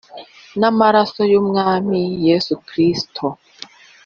N'amaraso y'Umwami Yesu Kristo.